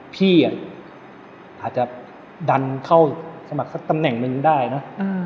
พี่อาจจะดันเข้าสมัครตำแหน่งไปอย่างนี้ได้นะ